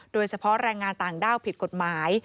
โดยเฉพาะแรงงานต่างด้าวผิดกฎหมาย